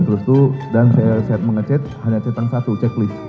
terus itu dan saya mengechat hanya centang satu checklist